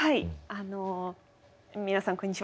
あの皆さんこんにちは。